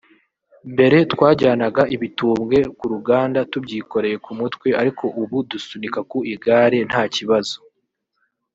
mbere twajyanaga ibitumbwe ku ruganda tubyikoreye ku mutwe ariko ubu dusunika ku igare nta kibazo